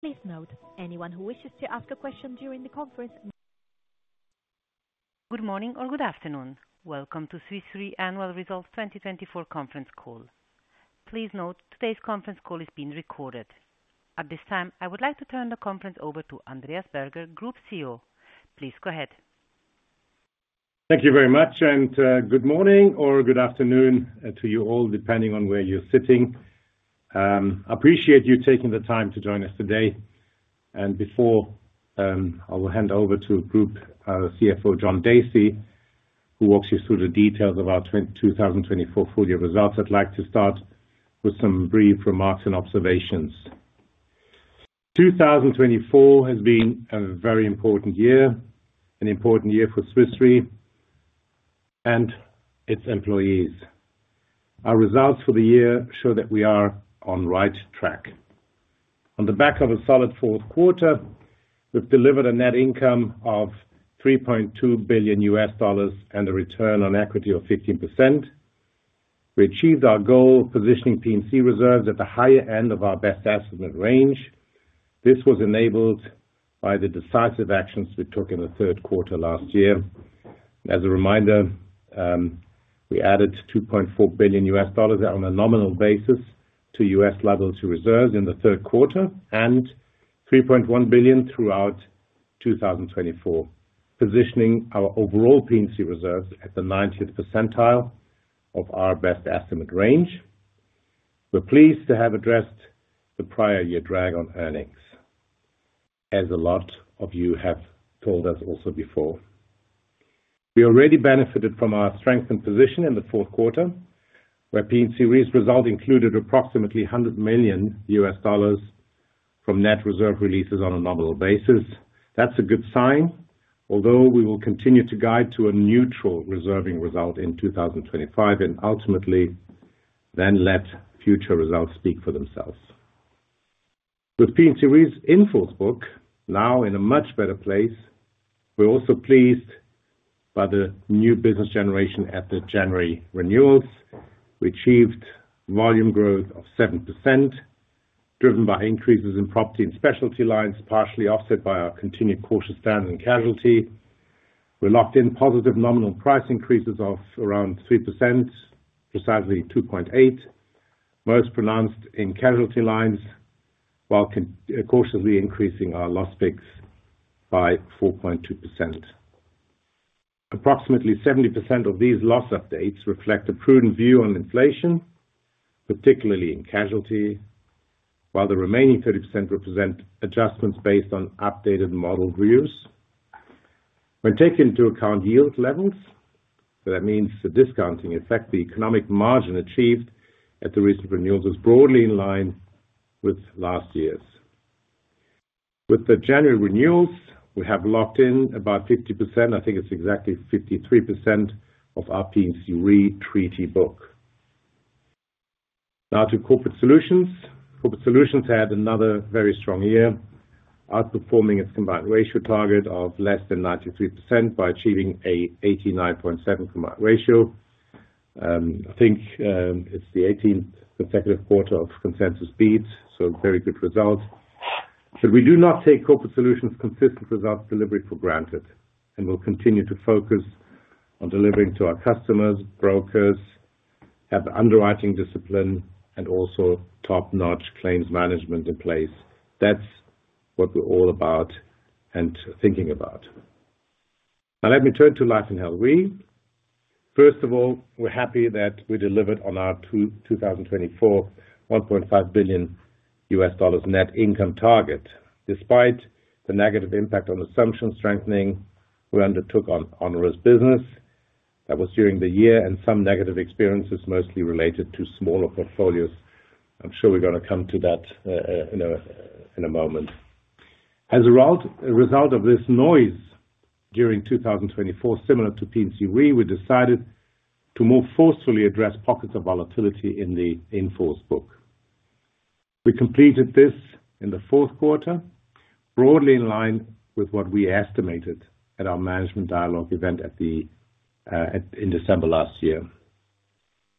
Please note, anyone who wishes to ask a question during the conference. Good morning or good afternoon. Welcome to Swiss Re Annual Results 2024 Conference Call. Please note, today's conference call is being recorded. At this time, I would like to turn the conference over to Andreas Berger, Group CEO. Please go ahead. Thank you very much, and good morning or good afternoon to you all, depending on where you're sitting. I appreciate you taking the time to join us today. And before, I will hand over to Group CFO John Dacey, who walks you through the details of our 2024 full-year results. I'd like to start with some brief remarks and observations. 2024 has been a very important year, an important year for Swiss Re and its employees. Our results for the year show that we are on the right track. On the back of a solid fourth quarter, we've delivered a net income of $3.2 billion and a return on equity of 15%. We achieved our goal of positioning P&C reserves at the higher end of our best estimate range. This was enabled by the decisive actions we took in the third quarter last year. As a reminder, we added $2.4 billion on a nominal basis to US liability reserves in the third quarter and $3.1 billion throughout 2024, positioning our overall P&C reserves at the 90th percentile of our best estimate range. We're pleased to have addressed the prior year drag on earnings, as a lot of you have told us also before. We already benefited from our strengthened position in the fourth quarter, where P&C result included approximately $100 million from net reserve releases on a nominal basis. That's a good sign, although we will continue to guide to a neutral reserving result in 2025 and ultimately then let future results speak for themselves. With P&C in full book, now in a much better place, we're also pleased by the new business generation at the January renewals. We achieved volume growth of 7%, driven by increases in property and specialty lines, partially offset by our continued cautious stand in casualty. We locked in positive nominal price increases of around 3%, precisely 2.8%, most pronounced in casualty lines, while cautiously increasing our loss picks by 4.2%. Approximately 70% of these loss updates reflect a prudent view on inflation, particularly in casualty, while the remaining 30% represent adjustments based on updated model views. When taken into account yield levels, that means the discounting effect, the economic margin achieved at the recent renewals is broadly in line with last year's. With the January renewals, we have locked in about 50%. I think it's exactly 53% of our P&C Re treaty book. Now to Corporate Solutions. Corporate Solutions had another very strong year, outperforming its combined ratio target of less than 93% by achieving an 89.7% combined ratio. I think it's the 18th consecutive quarter of consensus beat, so very good result. But we do not take Corporate Solutions' consistent results delivery for granted, and we'll continue to focus on delivering to our customers, brokers, have the underwriting discipline, and also top-notch claims management in place. That's what we're all about and thinking about. Now, let me turn to Life & Health Re. First of all, we're happy that we delivered on our 2024 $1.5 billion net income target. Despite the negative impact on assumption strengthening we undertook on onerous business, that was during the year, and some negative experiences mostly related to smaller portfolios. I'm sure we're going to come to that in a moment. As a result of this noise during 2024, similar to P&C Re, we decided to more forcefully address pockets of volatility in the full book. We completed this in the fourth quarter, broadly in line with what we estimated at our management dialogue event in December last year.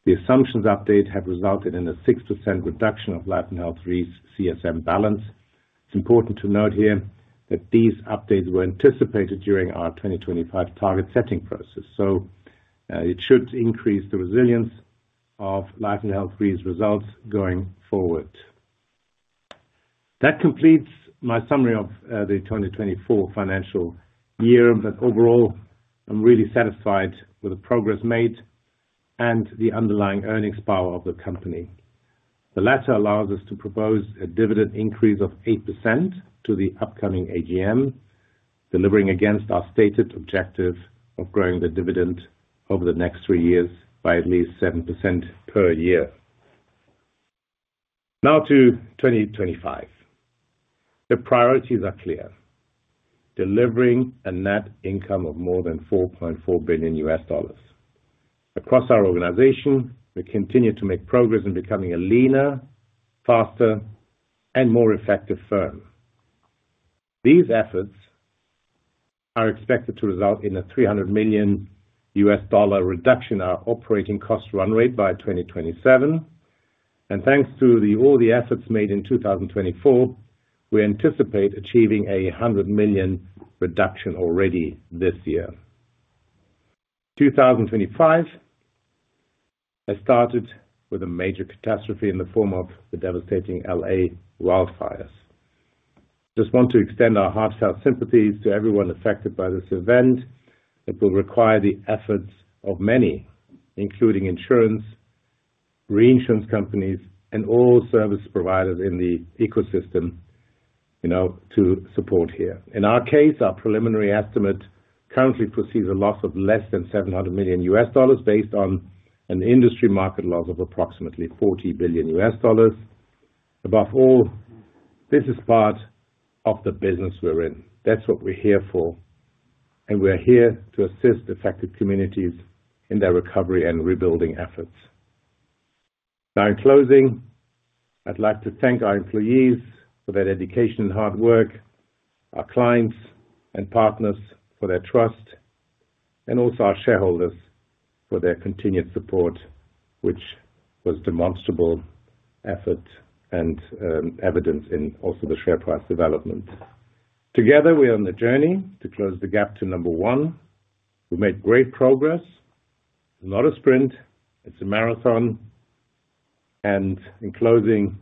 The assumptions updates have resulted in a 6% reduction of Life & Health Re's CSM balance. It's important to note here that these updates were anticipated during our 2025 target setting process, so it should increase the resilience of Life & Health Re's results going forward. That completes my summary of the 2024 financial year, but overall, I'm really satisfied with the progress made and the underlying earnings power of the company. The latter allows us to propose a dividend increase of 8% to the upcoming AGM, delivering against our stated objective of growing the dividend over the next three years by at least 7% per year. Now to 2025. The priorities are clear: delivering a net income of more than $4.4 billion. Across our organization, we continue to make progress in becoming a leaner, faster, and more effective firm. These efforts are expected to result in a $300 million reduction in our operating cost run rate by 2027. Thanks to all the efforts made in 2024, we anticipate achieving a $100 million reduction already this year. 2025 has started with a major catastrophe in the form of the devastating LA wildfires. I just want to extend our heartfelt sympathies to everyone affected by this event. It will require the efforts of many, including insurance, reinsurance companies, and all service providers in the ecosystem to support here. In our case, our preliminary estimate currently foresees a loss of less than $700 million based on an industry market loss of approximately $40 billion. Above all, this is part of the business we're in. That's what we're here for, and we're here to assist affected communities in their recovery and rebuilding efforts. Now, in closing, I'd like to thank our employees for their dedication and hard work, our clients and partners for their trust, and also our shareholders for their continued support, which was demonstrable effort and evidence in also the share price development. Together, we're on the journey to close the gap to number one. We've made great progress. It's not a sprint. It's a marathon. And in closing,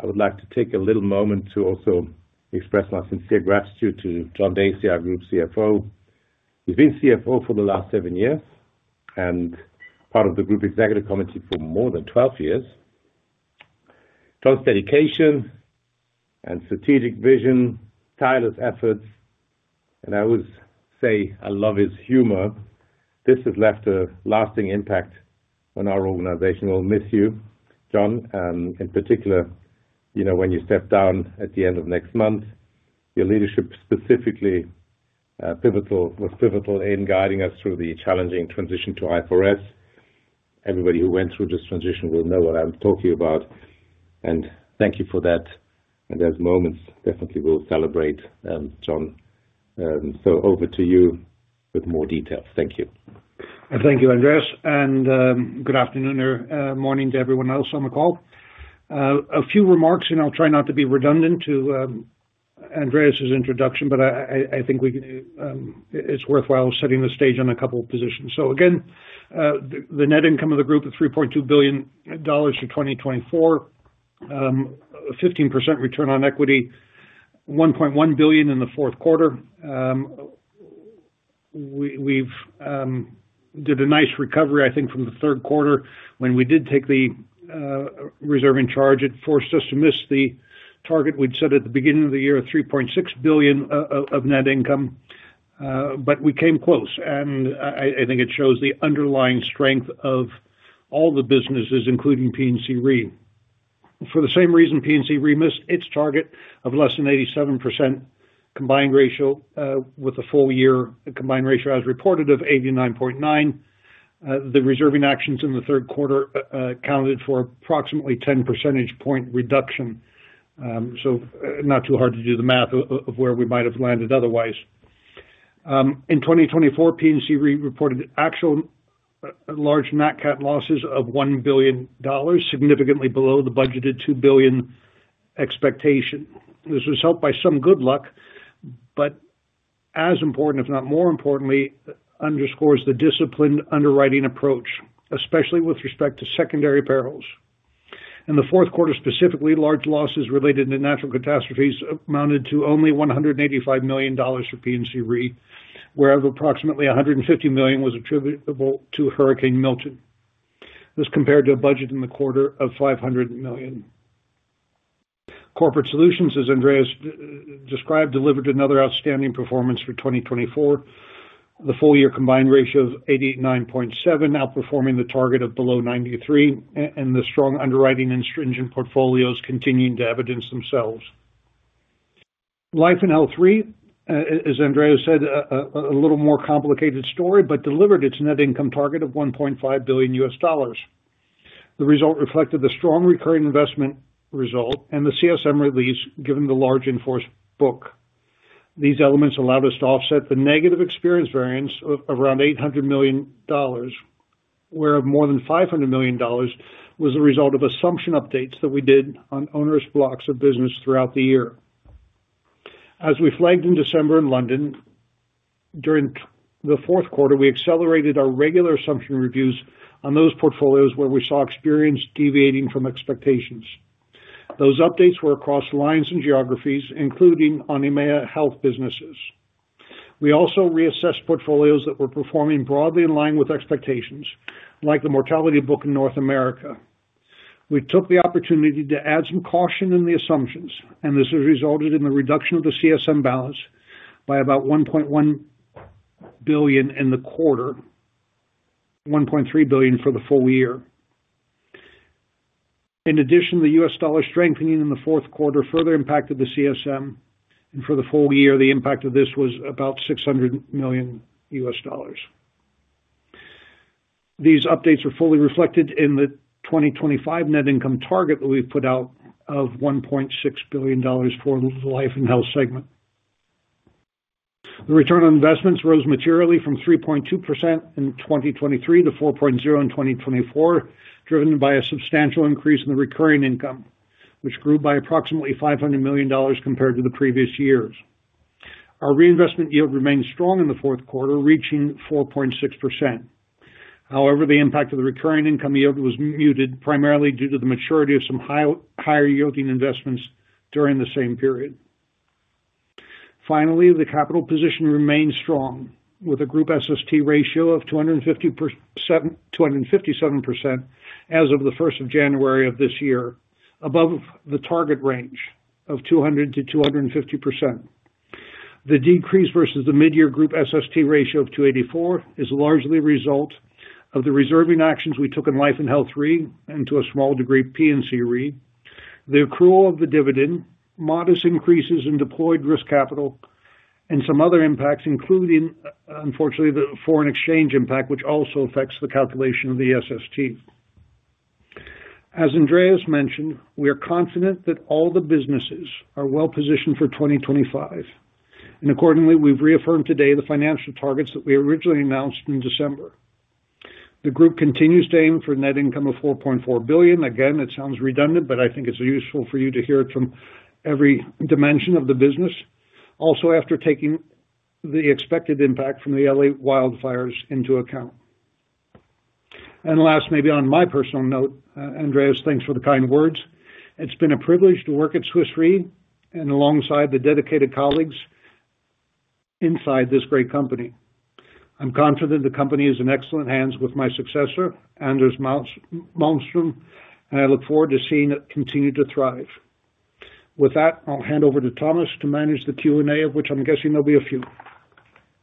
I would like to take a little moment to also express my sincere gratitude to John Dacey, our Group CFO. He's been CFO for the last seven years and part of the Group Executive Committee for more than 12 years. John's dedication and strategic vision, tireless efforts, and I always say I love his humor. This has left a lasting impact on our organization. We'll miss you, John, in particular when you step down at the end of next month. Your leadership specifically was pivotal in guiding us through the challenging transition to IFRS. Everybody who went through this transition will know what I'm talking about. And thank you for that. And those moments, we definitely will celebrate, John. So over to you with more details. Thank you. Thank you, Andreas. And good afternoon or morning to everyone else on the call. A few remarks, and I'll try not to be redundant to Andreas's introduction, but I think it's worthwhile setting the stage on a couple of positions. So again, the net income of the group is $3.2 billion for 2024, 15% return on equity, $1.1 billion in the fourth quarter. We did a nice recovery, I think, from the third quarter. When we did take the reserving charge, it forced us to miss the target we'd set at the beginning of the year of $3.6 billion of net income, but we came close. And I think it shows the underlying strength of all the businesses, including P&C Re. For the same reason, P&C Re missed its target of less than 87% combined ratio with a full-year combined ratio as reported of 89.9%. The reserving actions in the third quarter accounted for approximately 10 percentage point reduction. So not too hard to do the math of where we might have landed otherwise. In 2024, P&C Re reported actual large nat-cat losses of $1 billion, significantly below the budgeted $2 billion expectation. This was helped by some good luck, but as important, if not more importantly, underscores the disciplined underwriting approach, especially with respect to secondary perils. In the fourth quarter, specifically, large losses related to natural catastrophes amounted to only $185 million for P&C Re, whereas approximately $150 million was attributable to Hurricane Milton. This compared to a budget in the quarter of $500 million. Corporate Solutions, as Andreas described, delivered another outstanding performance for 2024. The full-year combined ratio of 89.7, outperforming the target of below 93, and the strong underwriting and stringent portfolios continuing to evidence themselves. Life & Health Re, as Andreas said, a little more complicated story, but delivered its net income target of $1.5 billion. The result reflected the strong recurring investment result and the CSM release given the large in-force book. These elements allowed us to offset the negative experience variance of around $800 million, where more than $500 million was the result of assumption updates that we did on onerous blocks of business throughout the year. As we flagged in December in London, during the fourth quarter, we accelerated our regular assumption reviews on those portfolios where we saw experience deviating from expectations. Those updates were across lines and geographies, including on EMEA health businesses. We also reassessed portfolios that were performing broadly in line with expectations, like the mortality book in North America. We took the opportunity to add some caution in the assumptions, and this has resulted in the reduction of the CSM balance by about $1.1 billion in the quarter, $1.3 billion for the full year. In addition, the U.S. dollar strengthening in the fourth quarter further impacted the CSM, and for the full year, the impact of this was about $600 million. These updates are fully reflected in the 2025 net income target that we've put out of $1.6 billion for the Life & Health segment. The return on investments rose materially from 3.2% in 2023 to 4.0% in 2024, driven by a substantial increase in the recurring income, which grew by approximately $500 million compared to the previous years. Our reinvestment yield remained strong in the fourth quarter, reaching 4.6%. However, the impact of the recurring income yield was muted primarily due to the maturity of some higher yielding investments during the same period. Finally, the capital position remained strong with a group SST ratio of 257% as of the 1st of January of this year, above the target range of 200%-250%. The decrease versus the mid-year group SST ratio of 284% is largely a result of the reserving actions we took in Life & Health Re and to a small degree P&C Re. The accrual of the dividend, modest increases in deployed risk capital, and some other impacts, including, unfortunately, the foreign exchange impact, which also affects the calculation of the SST. As Andreas mentioned, we are confident that all the businesses are well positioned for 2025. And accordingly, we've reaffirmed today the financial targets that we originally announced in December. The group continues to aim for net income of $4.4 billion. Again, it sounds redundant, but I think it's useful for you to hear it from every dimension of the business, also after taking the expected impact from the LA wildfires into account. And last, maybe on my personal note, Andreas, thanks for the kind words. It's been a privilege to work at Swiss Re and alongside the dedicated colleagues inside this great company. I'm confident the company is in excellent hands with my successor, Anders Malmström, and I look forward to seeing it continue to thrive. With that, I'll hand over to Thomas to manage the Q&A, of which I'm guessing there'll be a few.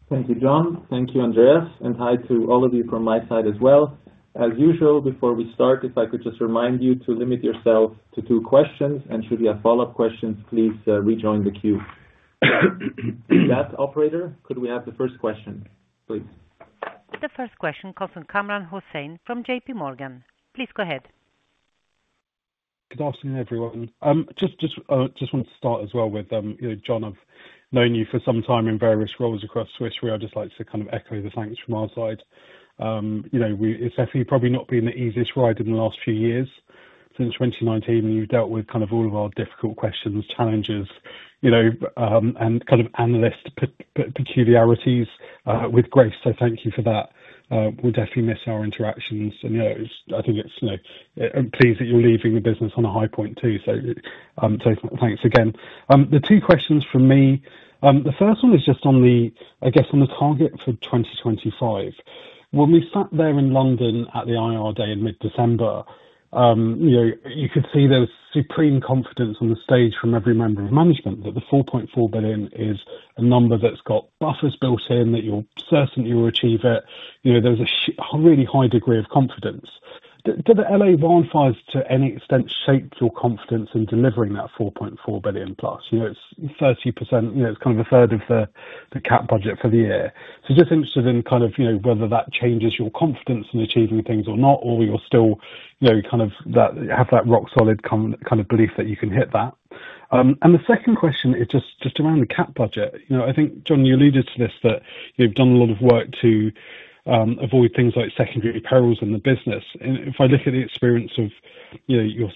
Thank you, John. Thank you, Andreas. And hi to all of you from my side as well. As usual, before we start, if I could just remind you to limit yourself to two questions, and should you have follow-up questions, please rejoin the queue. That operator, could we have the first question, please? The first question comes from Kamran Hossain from J.P. Morgan. Please go ahead. Good afternoon, everyone. Just want to start as well with, John, I've known you for some time in various roles across Swiss Re. I'd just like to kind of echo the thanks from our side. It's definitely probably not been the easiest ride in the last few years. Since 2019, you've dealt with kind of all of our difficult questions, challenges, and kind of analyst peculiarities with grace, so thank you for that. We'll definitely miss our interactions, and I think it's pleased that you're leaving the business on a high point too, so thanks again. The two questions from me, the first one is just on the, I guess, on the target for 2025. When we sat there in London at the IR Day in mid-December, you could see there was supreme confidence on the stage from every member of management that the $4.4 billion is a number that's got buffers built in, that you're certain you'll achieve it. There was a really high degree of confidence. Did the LA wildfires to any extent shape your confidence in delivering that $4.4 billion plus? It's 30%, it's kind of a third of the cap budget for the year. So just interested in kind of whether that changes your confidence in achieving things or not, or you're still kind of have that rock-solid kind of belief that you can hit that. And the second question is just around the cap budget. I think, John, you alluded to this, that you've done a lot of work to avoid things like secondary perils in the business. If I look at the experience on your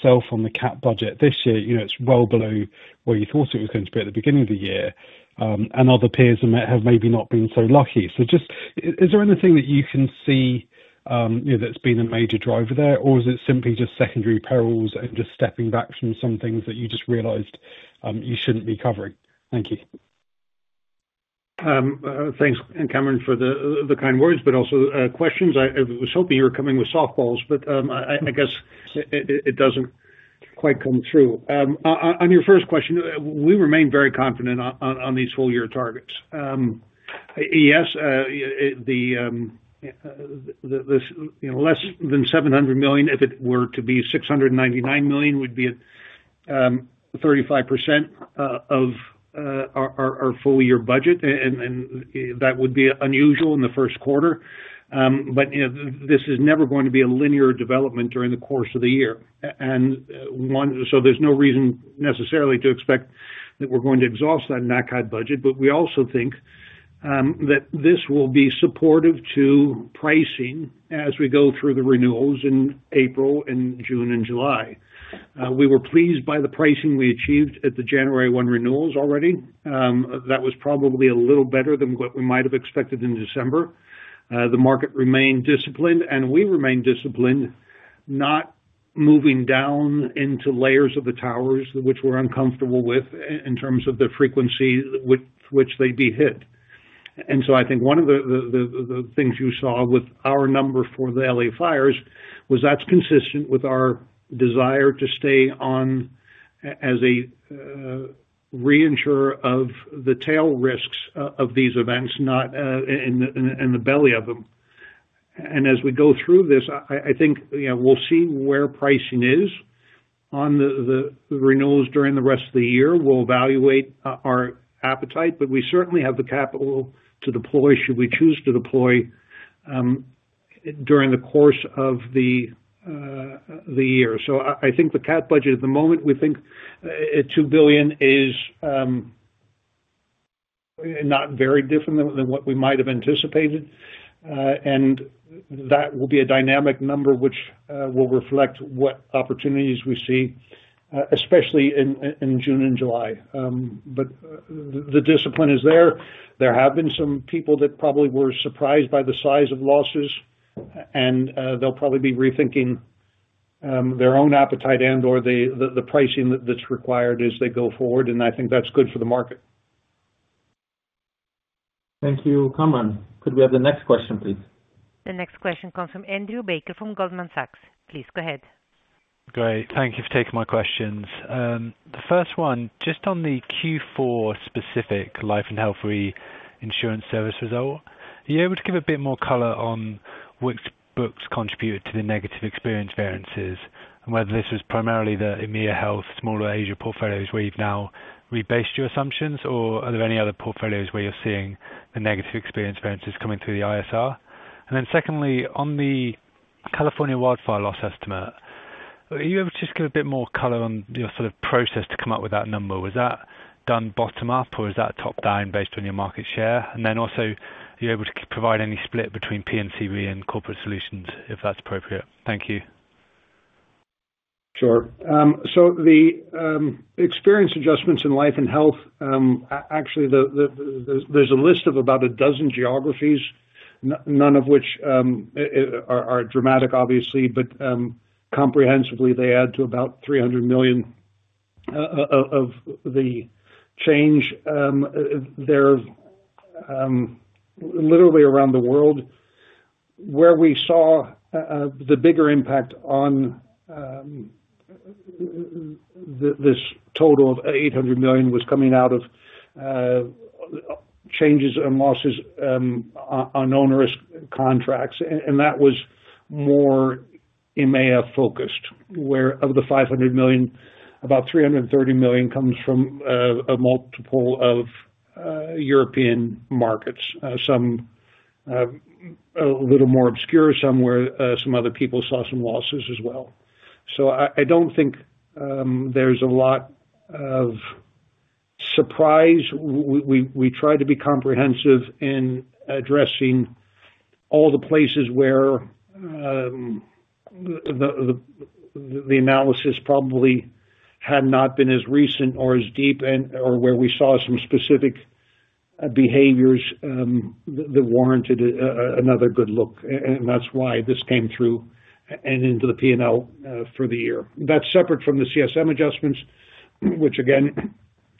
cat budget this year, it's well below where you thought it was going to be at the beginning of the year, and other peers have maybe not been so lucky. So just, is there anything that you can see that's been a major driver there, or is it simply just secondary perils and just stepping back from some things that you just realized you shouldn't be covering? Thank you. Thanks, Kamran, for the kind words, but also questions. I was hoping you were coming with softballs, but I guess it doesn't quite come through. On your first question, we remain very confident on these full-year targets. Yes, less than $700 million, if it were to be $699 million, would be 35% of our full-year budget, and that would be unusual in the first quarter. But this is never going to be a linear development during the course of the year. And so there's no reason necessarily to expect that we're going to exhaust that nat-cat budget, but we also think that this will be supportive to pricing as we go through the renewals in April and June and July. We were pleased by the pricing we achieved at the January 1 renewals already. That was probably a little better than what we might have expected in December. The market remained disciplined, and we remained disciplined, not moving down into layers of the towers, which we're uncomfortable with in terms of the frequency with which they'd be hit, and so I think one of the things you saw with our number for the LA fires was, that's consistent with our desire to stay on as a reinsurer of the tail risks of these events, not in the belly of them, and as we go through this, I think we'll see where pricing is on the renewals during the rest of the year, we'll evaluate our appetite, but we certainly have the capital to deploy should we choose to deploy during the course of the year, so I think the cap budget at the moment, we think $2 billion is not very different than what we might have anticipated. And that will be a dynamic number, which will reflect what opportunities we see, especially in June and July. But the discipline is there. There have been some people that probably were surprised by the size of losses, and they'll probably be rethinking their own appetite and/or the pricing that's required as they go forward, and I think that's good for the market. Thank you, Kamran. Could we have the next question, please? The next question comes from Andrew Baker from Goldman Sachs. Please go ahead. Great. Thank you for taking my questions. The first one, just on the Q4 specific Life & Health Re insurance service result, are you able to give a bit more color on which books contributed to the negative experience variances and whether this was primarily the EMEA health, smaller Asia portfolios where you've now rebased your assumptions, or are there any other portfolios where you're seeing the negative experience variances coming through the ISR? And then secondly, on the California wildfire loss estimate, are you able to just give a bit more color on your sort of process to come up with that number? Was that done bottom up, or is that top down based on your market share? And then also, are you able to provide any split between P&C Re and Corporate Solutions if that's appropriate? Thank you. Sure. So the experience adjustments in Life & Health, actually, there's a list of about a dozen geographies, none of which are dramatic, obviously, but comprehensively they add to about $300 million of the change there literally around the world. Where we saw the bigger impact on this total of $800 million was coming out of changes and losses on onerous contracts, and that was more EMEA focused, where of the $500 million, about $330 million comes from a multiple of European markets, some a little more obscure, some where some other people saw some losses as well. So I don't think there's a lot of surprise. We tried to be comprehensive in addressing all the places where the analysis probably had not been as recent or as deep, or where we saw some specific behaviors that warranted another good look, and that's why this came through and into the P&L for the year. That's separate from the CSM adjustments, which again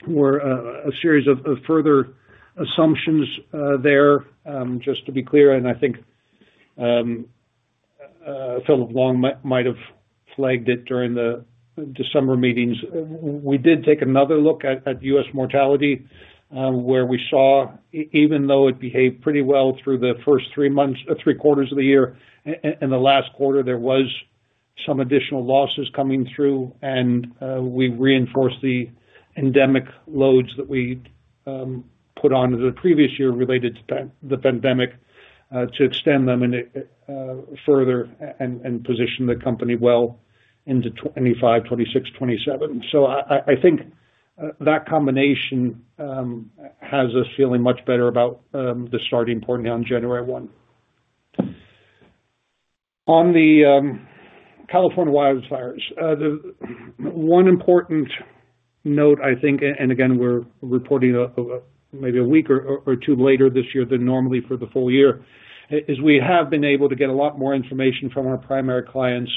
were a series of further assumptions there, just to be clear, and I think Philip Long might have flagged it during the December meetings. We did take another look at U.S. mortality, where we saw, even though it behaved pretty well through the first three quarters of the year, in the last quarter there was some additional losses coming through, and we reinforced the endemic loads that we put on in the previous year related to the pandemic to extend them further and position the company well into 2025, 2026, 2027. So I think that combination has us feeling much better about the starting point on January 1. On the California wildfires, one important note, I think, and again, we're reporting maybe a week or two later this year than normally for the full year, is we have been able to get a lot more information from our primary clients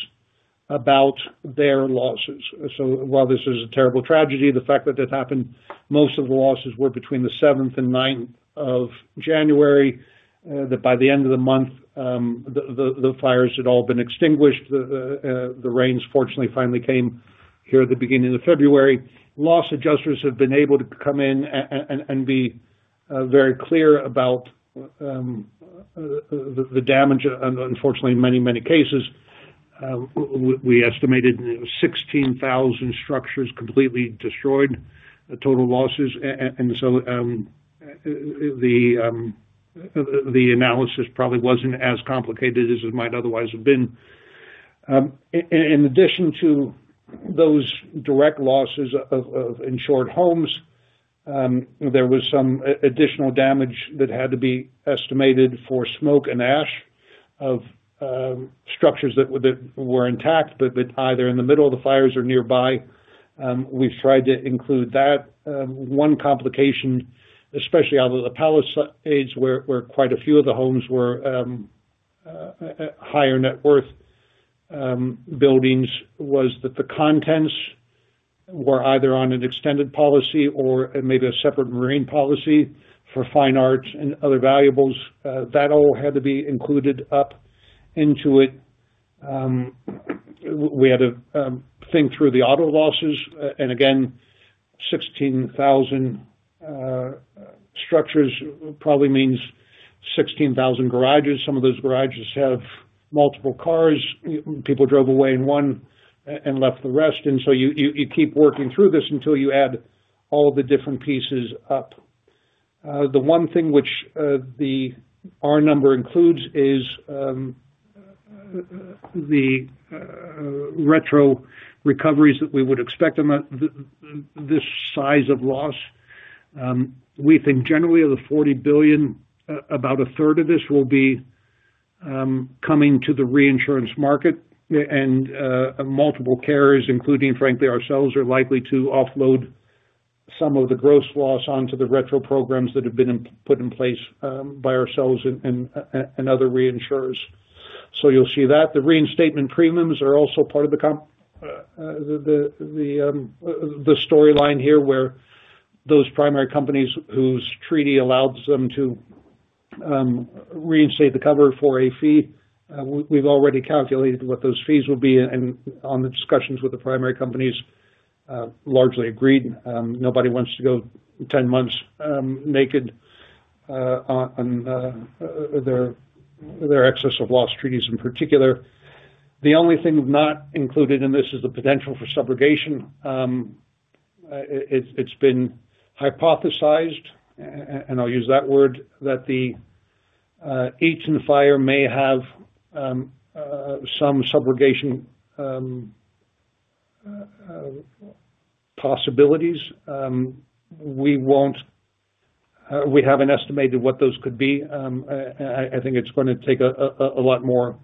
about their losses. So while this is a terrible tragedy, the fact that it happened, most of the losses were between the 7th and 9th of January, that by the end of the month, the fires had all been extinguished. The rains, fortunately, finally came here at the beginning of February. Loss adjusters have been able to come in and be very clear about the damage, unfortunately, in many, many cases. We estimated 16,000 structures completely destroyed, total losses, and so the analysis probably wasn't as complicated as it might otherwise have been. In addition to those direct losses of insured homes, there was some additional damage that had to be estimated for smoke and ash of structures that were intact, but either in the middle of the fires or nearby. We've tried to include that. One complication, especially out of the Palisades, where quite a few of the homes were higher net worth buildings, was that the contents were either on an extended policy or maybe a separate marine policy for fine arts and other valuables. That all had to be included up into it. We had to think through the auto losses, and again, 16,000 structures probably means 16,000 garages. Some of those garages have multiple cars. People drove away in one and left the rest, and so you keep working through this until you add all the different pieces up. The one thing which our number includes is the retro recoveries that we would expect this size of loss. We think generally of the $40 billion, about a third of this will be coming to the reinsurance market, and multiple carriers, including, frankly, ourselves, are likely to offload some of the gross loss onto the retro programs that have been put in place by ourselves and other reinsurers. So you'll see that. The reinstatement premiums are also part of the storyline here, where those primary companies whose treaty allows them to reinstate the cover for a fee, we've already calculated what those fees will be, and on the discussions with the primary companies, largely agreed. Nobody wants to go 10 months naked on their excess of loss treaties in particular. The only thing not included in this is the potential for subrogation. It's been hypothesized, and I'll use that word, that the LA and the fire may have some subrogation possibilities. We have an estimate of what those could be. I think it's going to take a lot more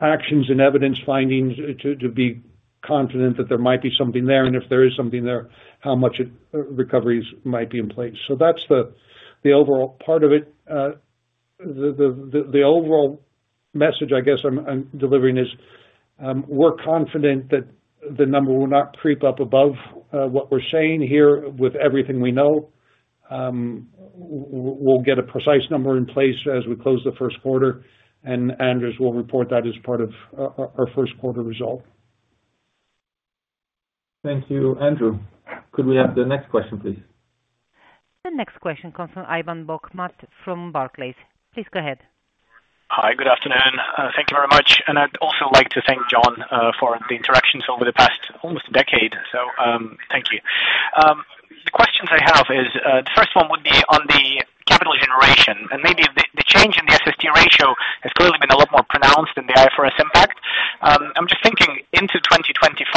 actions and evidence findings to be confident that there might be something there, and if there is something there, how much recoveries might be in place. That's the overall part of it. The overall message, I guess, I'm delivering is we're confident that the number will not creep up above what we're saying here with everything we know. We'll get a precise number in place as we close the first quarter, and Anders will report that as part of our first quarter result. Thank you, Andrew. Could we have the next question, please? The next question comes from Ivan Bokhmat from Barclays. Please go ahead. Hi, good afternoon. Thank you very much. And I'd also like to thank John for the interactions over the past almost decade, so thank you. The questions I have is the first one would be on the capital generation, and maybe the change in the SST ratio has clearly been a lot more pronounced than the IFRS impact. I'm just thinking into 2025,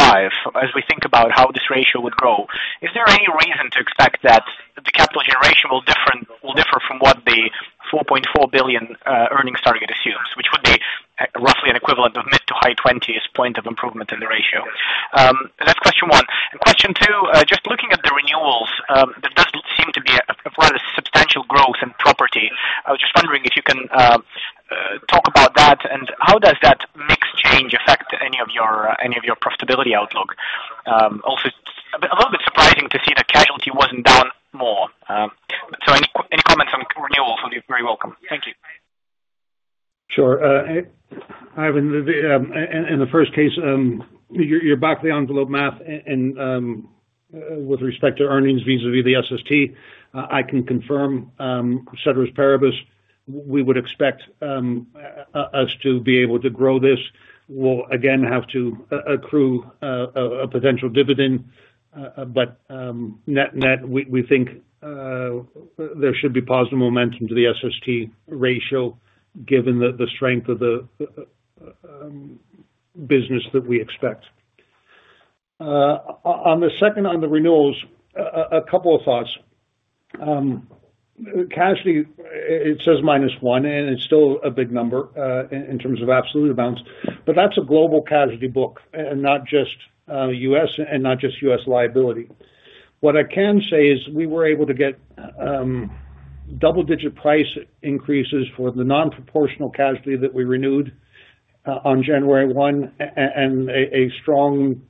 as we think about how this ratio would grow, is there any reason to expect that the capital generation will differ from what the $4.4 billion earnings target assumes, which would be roughly an equivalent of mid- to high-20s point of improvement in the ratio? That's question one. And question two, just looking at the renewals, there does seem to be quite a substantial growth in property. I was just wondering if you can talk about that, and how does that mix change affect any of your profitability outlook? Also, a little bit surprising to see that casualty wasn't down more. So any comments on renewals would be very welcome. Thank you. Sure. Ivan, in the first case, you're back to the envelope math, and with respect to earnings vis-à-vis the SST, I can confirm, ceteris paribus, we would expect us to be able to grow this. We'll, again, have to accrue a potential dividend, but net net, we think there should be positive momentum to the SST ratio given the strength of the business that we expect. On the second, on the renewals, a couple of thoughts. Casualty, it says minus one, and it's still a big number in terms of absolute amounts, but that's a global casualty book and not just U.S. and not just U.S. liability. What I can say is we were able to get double-digit price increases for the non-proportional casualty that we renewed on January 1, and a strong,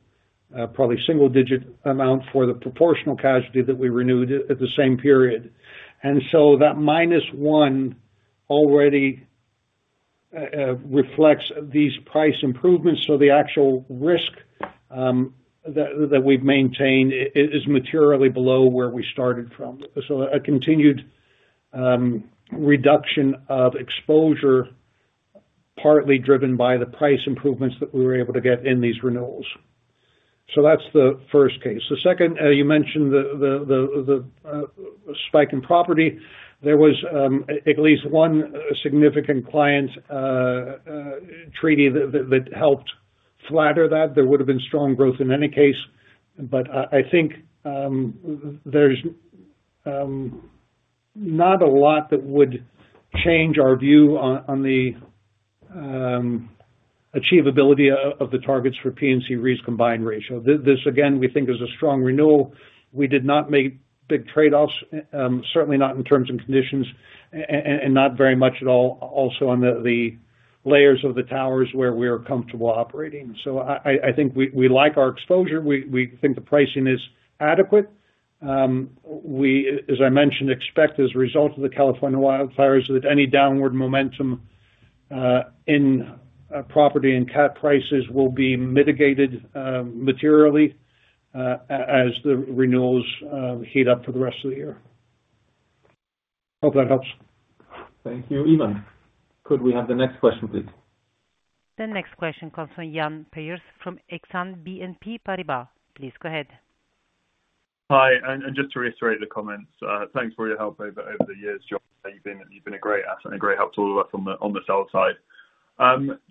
probably single-digit amount for the proportional casualty that we renewed at the same period. And so that minus one already reflects these price improvements, so the actual risk that we've maintained is materially below where we started from. So a continued reduction of exposure, partly driven by the price improvements that we were able to get in these renewals. So that's the first case. The second, you mentioned the spike in property. There was at least one significant client treaty that helped flatter that. There would have been strong growth in any case, but I think there's not a lot that would change our view on the achievability of the targets for P&C Re's combined ratio. This, again, we think is a strong renewal. We did not make big trade-offs, certainly not in terms and conditions, and not very much at all also on the layers of the towers where we're comfortable operating. So I think we like our exposure. We think the pricing is adequate. We, as I mentioned, expect as a result of the California wildfires that any downward momentum in property and cat prices will be mitigated materially as the renewals heat up for the rest of the year. Hope that helps. Thank you. Ivan, could we have the next question, please? The next question comes from Iain Pearce from Exane BNP Paribas. Please go ahead. Hi, and just to reiterate the comments, thanks for your help over the years, John. You've been a great asset and a great help to all of us on the sell side.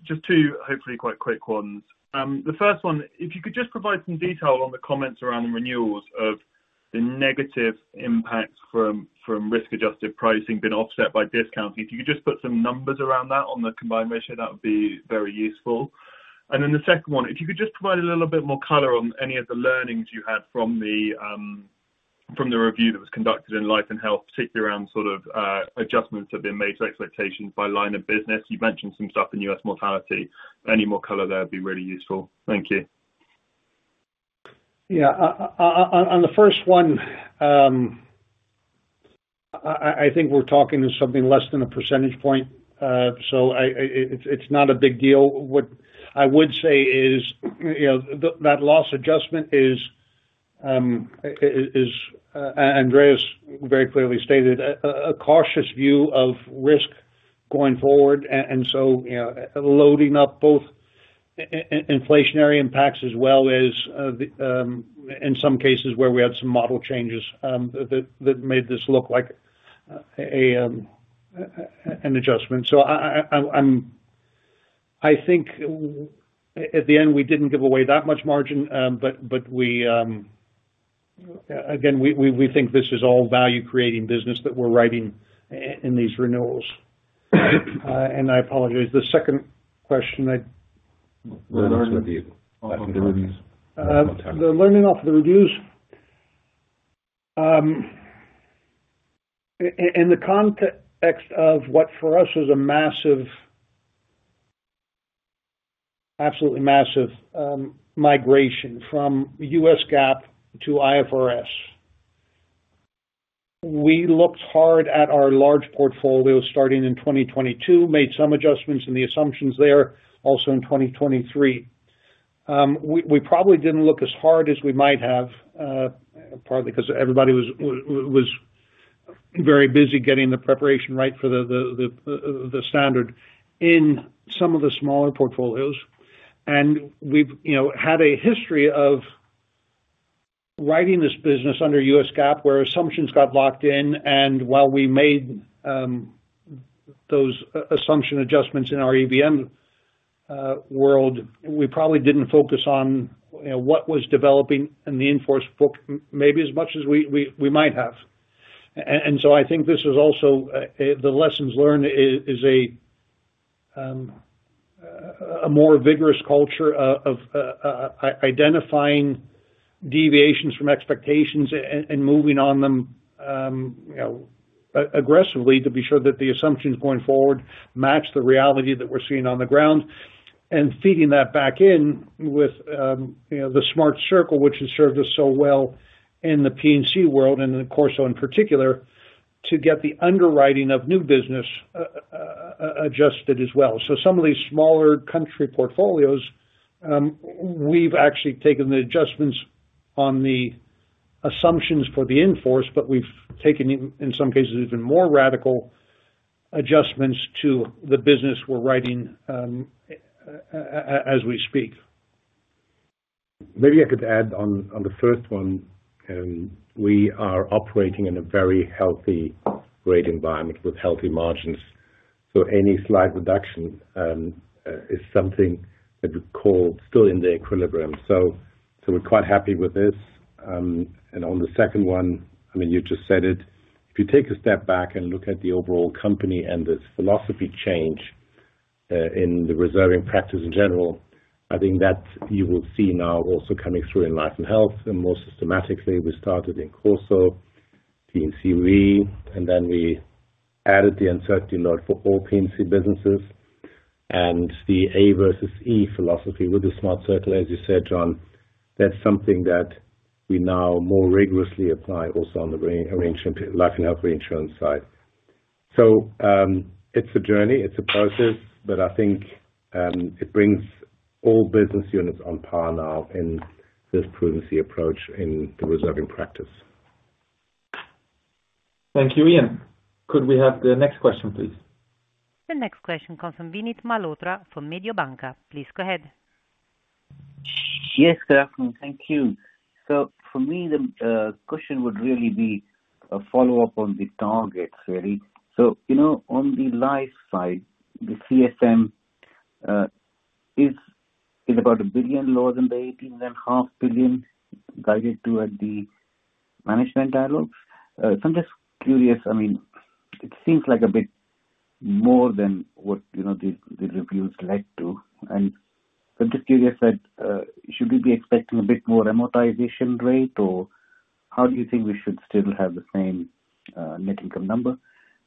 Just two hopefully quite quick ones. The first one, if you could just provide some detail on the comments around the renewals of the negative impact from risk-adjusted pricing being offset by discounting. If you could just put some numbers around that on the combined ratio, that would be very useful. And then the second one, if you could just provide a little bit more color on any of the learnings you had from the review that was conducted in Life & Health, particularly around sort of adjustments that have been made to expectations by line of business. You've mentioned some stuff in U.S. mortality. Any more color there would be really useful. Thank you. Yeah. On the first one, I think we're talking to something less than a percentage point, so it's not a big deal. What I would say is that loss adjustment is, Andreas very clearly stated, a cautious view of risk going forward, and so loading up both inflationary impacts as well as, in some cases, where we had some model changes that made this look like an adjustment. So I think at the end, we didn't give away that much margin, but again, we think this is all value-creating business that we're writing in these renewals. And I apologize. The second question I learned off the reviews. The learning off the reviews and the context of what for us was a massive, absolutely massive migration from US GAAP to IFRS. We looked hard at our large portfolio starting in 2022, made some adjustments in the assumptions there also in 2023. We probably didn't look as hard as we might have, partly because everybody was very busy getting the preparation right for the standard in some of the smaller portfolios, and we've had a history of writing this business under US GAAP where assumptions got locked in, and while we made those assumption adjustments in our EVM world, we probably didn't focus on what was developing in the in-force book maybe as much as we might have. I think this is also the lessons learned, is a more vigorous culture of identifying deviations from expectations and moving on them aggressively to be sure that the assumptions going forward match the reality that we're seeing on the ground, and feeding that back in with the Smart Circle, which has served us so well in the P&C world and in Corso in particular, to get the underwriting of new business adjusted as well. Some of these smaller country portfolios, we've actually taken the adjustments on the assumptions for the in-force, but we've taken, in some cases, even more radical adjustments to the business we're writing as we speak. Maybe I could add on the first one. We are operating in a very healthy rate environment with healthy margins. So any slight reduction is something that we call still in the equilibrium. So we're quite happy with this. And on the second one, I mean, you just said it. If you take a step back and look at the overall company and this philosophy change in the reserving practice in general, I think that you will see now also coming through in Life & Health more systematically. We started in Corso, P&C Re, and then we added the uncertainty note for all P&C businesses, and the A versus E philosophy with the Smart Circle, as you said, John. That's something that we now more rigorously apply also on the Life & Health reinsurance side. So it's a journey. It's a process, but I think it brings all business units on par now in this prudence approach in the reserving practice. Thank you, Iain. Could we have the next question, please? The next question comes from Vinit Malhotra from Mediobanca. Please go ahead. Yes, good afternoon. Thank you. So for me, the question would really be a follow-up on the targets, really. So on the life side, the CSM is about $1 billion lower than the $18.5 billion guided to at the management dialogues. So I'm just curious. I mean, it seems like a bit more than what the reviews led to. And I'm just curious that should we be expecting a bit more amortization rate, or how do you think we should still have the same net income number?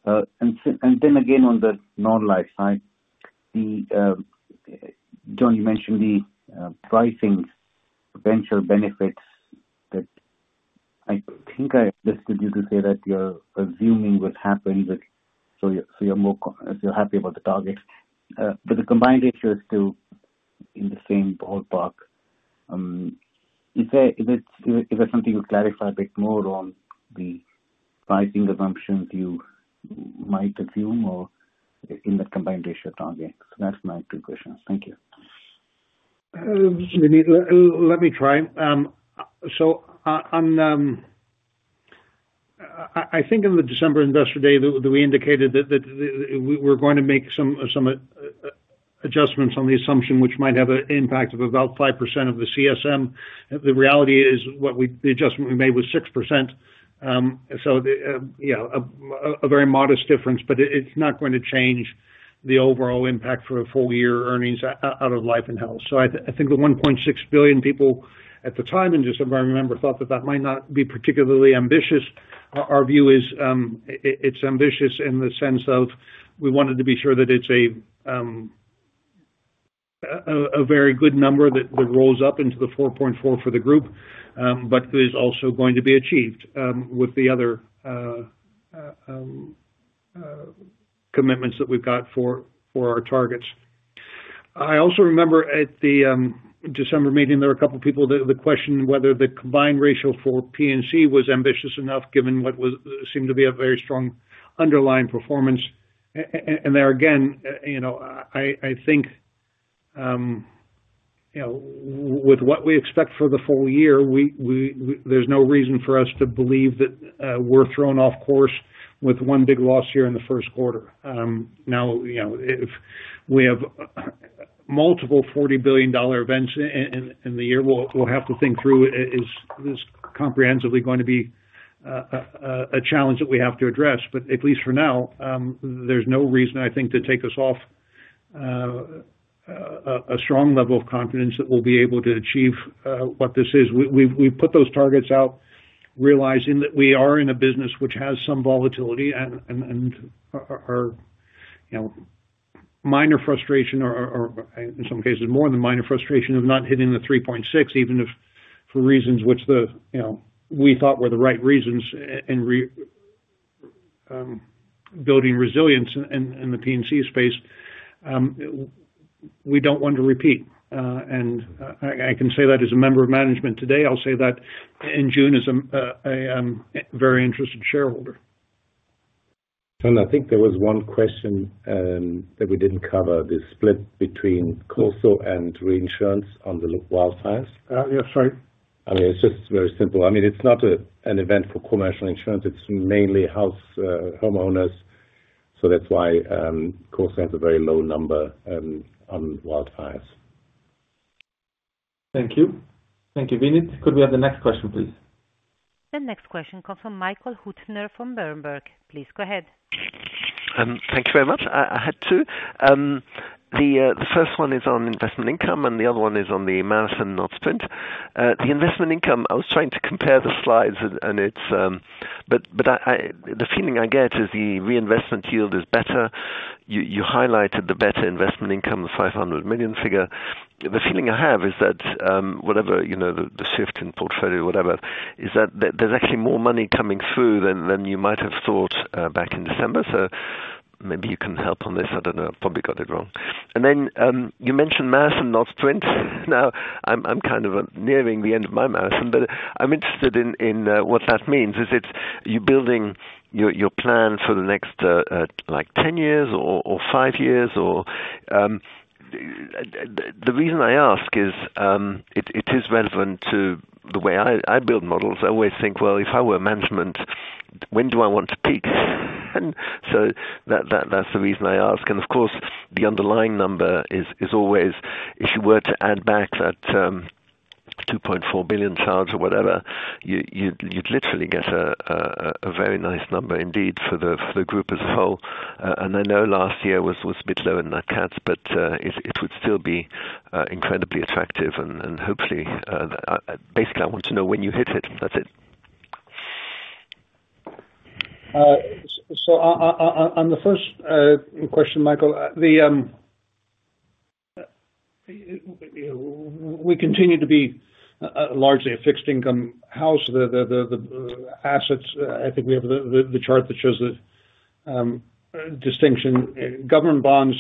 And then again, on the non-life side, John, you mentioned the pricing potential benefits that I think I listed you to say that you're assuming will happen, so you're happy about the target. But the combined ratio is still in the same ballpark. Is there something you clarify a bit more on the pricing assumptions you might assume or in the combined ratio target, so that's my two questions. Thank you. Vinit, let me try. So I think in the December investor day, we indicated that we were going to make some adjustments on the assumption, which might have an impact of about 5% of the CSM. The reality is the adjustment we made was 6%. So yeah, a very modest difference, but it's not going to change the overall impact for full-year earnings out of Life & Health. So I think the $1.6 billion, people at the time, and just if I remember, thought that that might not be particularly ambitious. Our view is it's ambitious in the sense of we wanted to be sure that it's a very good number that rolls up into the $4.4 billion for the group, but it is also going to be achieved with the other commitments that we've got for our targets. I also remember at the December meeting, there were a couple of people that questioned whether the combined ratio for P&C was ambitious enough given what seemed to be a very strong underlying performance. And there again, I think with what we expect for the full year, there's no reason for us to believe that we're thrown off course with one big loss here in the first quarter. Now, if we have multiple $40 billion events in the year, we'll have to think through this comprehensively, going to be a challenge that we have to address. But at least for now, there's no reason, I think, to take us off a strong level of confidence that we'll be able to achieve what this is. We put those targets out realizing that we are in a business which has some volatility and our minor frustration, or in some cases, more than minor frustration of not hitting the 3.6, even if for reasons which we thought were the right reasons in building resilience in the P&C space, we don't want to repeat. And I can say that as a member of management today. I'll say that in June as a very interested shareholder. John, I think there was one question that we didn't cover, the split between Corso and reinsurance on the wildfires. Yeah, sorry. I mean, it's just very simple. I mean, it's not an event for commercial insurance. It's mainly homeowners. So that's why Corso has a very low number on wildfires. Thank you. Thank you, Vinit. Could we have the next question, please? The next question comes from Michael Huttner from Berenberg. Please go ahead. Thank you very much. I had two. The first one is on investment income, and the other one is on the marathon not sprint. The investment income, I was trying to compare the slides, but the feeling I get is the reinvestment yield is better. You highlighted the better investment income, the $500 million figure. The feeling I have is that whatever the shift in portfolio, whatever, is that there's actually more money coming through than you might have thought back in December. So maybe you can help on this. I don't know. I probably got it wrong. And then you mentioned marathon not sprint. Now, I'm kind of nearing the end of my marathon, but I'm interested in what that means. Is it you're building your plan for the next like 10 years or five years? The reason I ask is it is relevant to the way I build models. I always think, well, if I were management, when do I want to peak? And so that's the reason I ask. And of course, the underlying number is always, if you were to add back that $2.4 billion charge or whatever, you'd literally get a very nice number indeed for the group as a whole. And I know last year was a bit low in the cats, but it would still be incredibly attractive. And hopefully, basically, I want to know when you hit it. That's it. On the first question, Michael, we continue to be largely a fixed income house. The assets, I think we have the chart that shows the distinction: government bonds,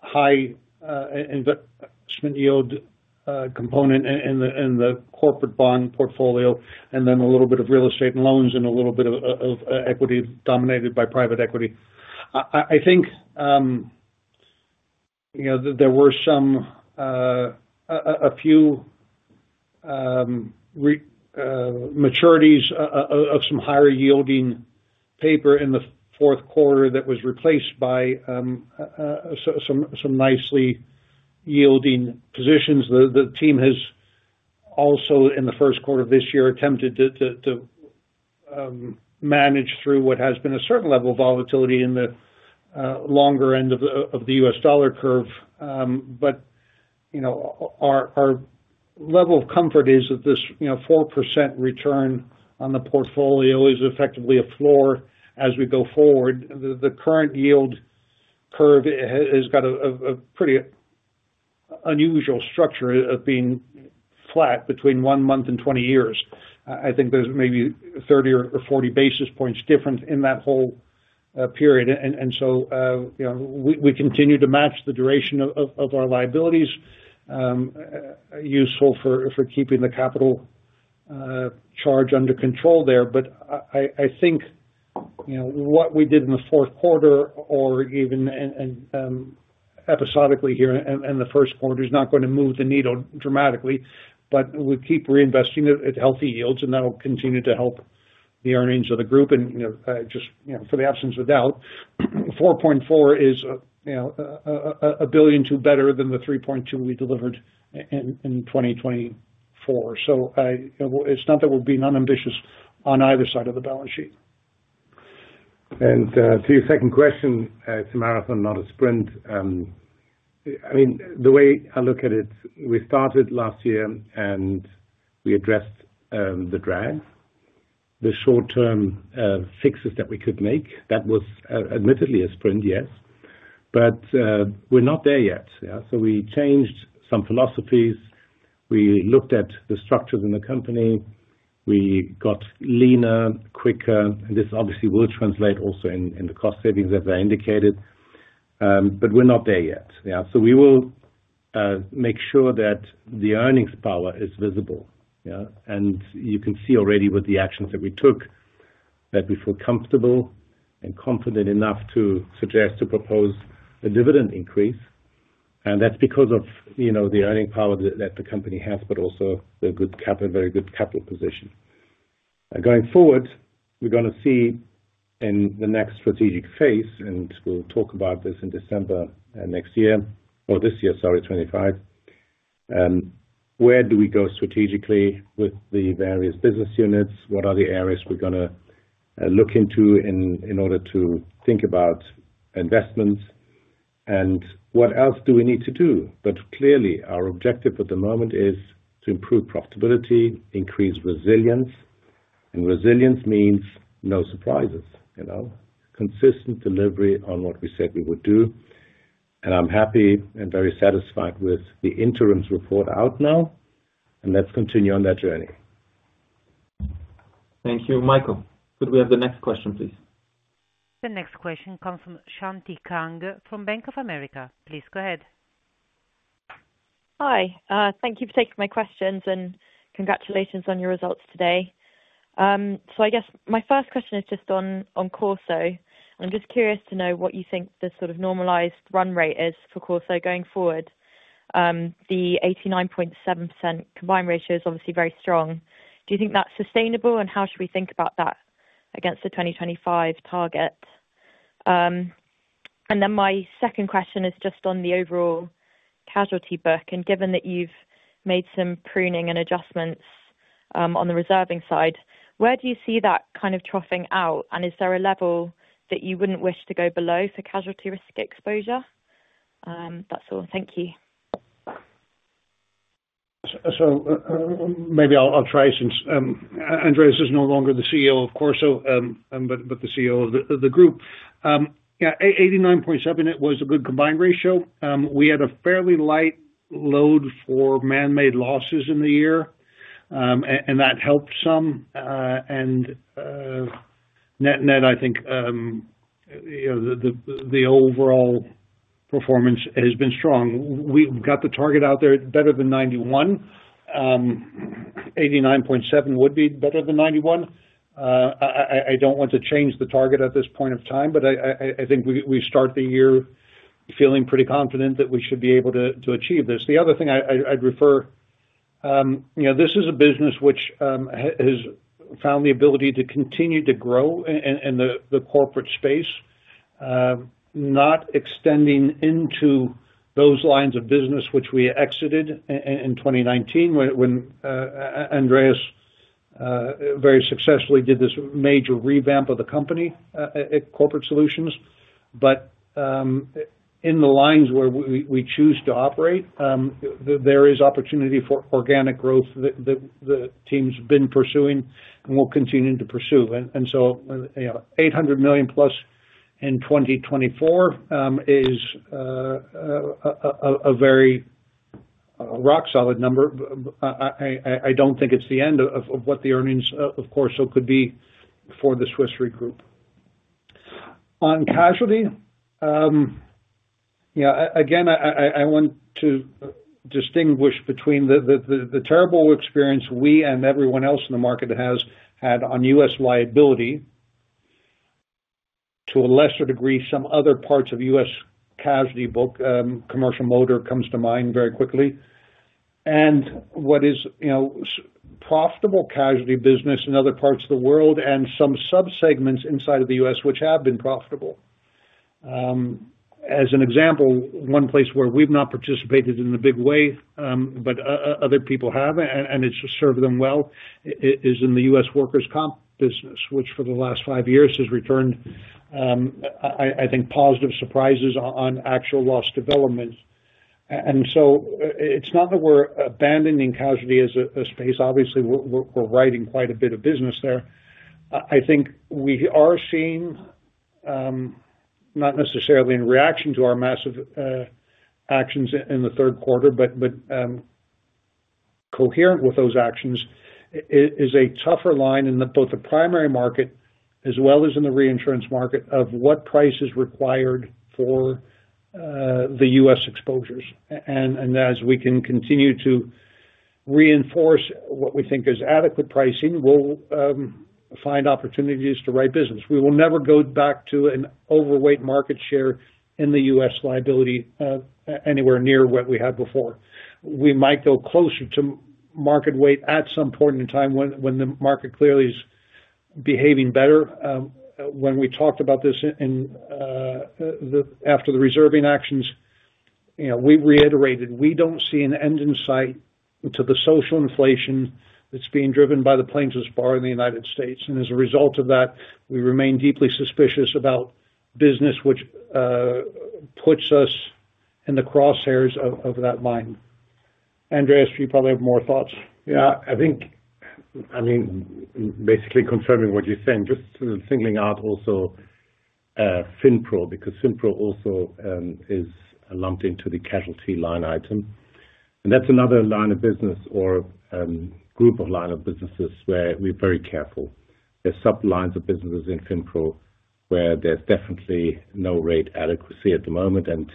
high investment yield component in the corporate bond portfolio, and then a little bit of real estate and loans and a little bit of equity dominated by private equity. I think there were a few maturities of some higher yielding paper in the fourth quarter that was replaced by some nicely yielding positions. The team has also, in the first quarter of this year, attempted to manage through what has been a certain level of volatility in the longer end of the U.S. dollar curve. But our level of comfort is that this 4% return on the portfolio is effectively a floor as we go forward. The current yield curve has got a pretty unusual structure of being flat between one month and 20 years. I think there's maybe 30 or 40 basis points different in that whole period. And so we continue to match the duration of our liabilities, useful for keeping the capital charge under control there. But I think what we did in the fourth quarter, or even episodically here in the first quarter, is not going to move the needle dramatically, but we keep reinvesting at healthy yields, and that'll continue to help the earnings of the group. And just for the avoidance of doubt, $4.4 billion is better than the $3.2 we delivered in 2024. So it's not that we're being unambitious on either side of the balance sheet. And to your second question, it's a marathon, not a sprint. I mean, the way I look at it, we started last year and we addressed the drag, the short-term fixes that we could make. That was admittedly a sprint, yes. But we're not there yet. So we changed some philosophies. We looked at the structures in the company. We got leaner, quicker. And this obviously will translate also in the cost savings that they indicated. But we're not there yet. So we will make sure that the earnings power is visible. And you can see already with the actions that we took that we feel comfortable and confident enough to suggest to propose a dividend increase. And that's because of the earnings power that the company has, but also the very good capital position. Going forward, we're going to see in the next strategic phase, and we'll talk about this in December next year, or this year, sorry, 2025, where do we go strategically with the various business units, what are the areas we're going to look into in order to think about investments, and what else do we need to do. But clearly, our objective at the moment is to improve profitability, increase resilience. And resilience means no surprises, consistent delivery on what we said we would do. And I'm happy and very satisfied with the interim report out now. And let's continue on that journey. Thank you, Michael. Could we have the next question, please? The next question comes from Shuqi Kang from Bank of America. Please go ahead. Hi. Thank you for taking my questions and congratulations on your results today. So I guess my first question is just on Corso. And I'm just curious to know what you think the sort of normalized run rate is for Corso going forward. The 89.7% combined ratio is obviously very strong. Do you think that's sustainable, and how should we think about that against the 2025 target? And then my second question is just on the overall casualty book. And given that you've made some pruning and adjustments on the reserving side, where do you see that kind of troughing out? And is there a level that you wouldn't wish to go below for casualty risk exposure? That's all. Thank you. So maybe I'll try since Andreas is no longer the CEO of Corso, but the CEO of the group. Yeah, 89.7%, it was a good combined ratio. We had a fairly light load for man-made losses in the year, and that helped some. And net, net, I think the overall performance has been strong. We've got the target out there better than 91%. 89.7% would be better than 91%. I don't want to change the target at this point of time, but I think we start the year feeling pretty confident that we should be able to achieve this. The other thing I'd refer, this is a business which has found the ability to continue to grow in the corporate space, not extending into those lines of business which we exited in 2019 when Andreas very successfully did this major revamp of the company at Corporate Solutions. But in the lines where we choose to operate, there is opportunity for organic growth that the team's been pursuing and will continue to pursue. And so $800 million plus in 2024 is a very rock-solid number. I don't think it's the end of what the earnings, of Corso, could be for the Swiss Re Group. On casualty, yeah, again, I want to distinguish between the terrible experience we and everyone else in the market has had on US liability, to a lesser degree, some other parts of US casualty book, commercial motor comes to mind very quickly, and what is profitable casualty business in other parts of the world and some subsegments inside of the US which have been profitable. As an example, one place where we've not participated in a big way, but other people have, and it's served them well, is in the U.S. workers' comp business, which for the last five years has returned, I think, positive surprises on actual loss development, and so it's not that we're abandoning casualty as a space. Obviously, we're writing quite a bit of business there. I think we are seeing, not necessarily in reaction to our massive actions in the third quarter, but coherent with those actions, a tougher line in both the primary market as well as in the reinsurance market of what price is required for the U.S. exposures, and as we can continue to reinforce what we think is adequate pricing, we'll find opportunities to write business. We will never go back to an overweight market share in the U.S. liability anywhere near what we had before. We might go closer to market weight at some point in time when the market clearly is behaving better. When we talked about this after the reserving actions, we reiterated we don't see an end in sight to the social inflation that's being driven by the plaintiffs' bar in the United States. And as a result of that, we remain deeply suspicious about business, which puts us in the crosshairs of that line. Andreas, you probably have more thoughts. Yeah. I mean, basically confirming what you're saying, just singling out also FinPro because FinPro also is lumped into the casualty line item. And that's another line of business or group of line of businesses where we're very careful. There are sub-lines of businesses in FinPro where there's definitely no rate adequacy at the moment. And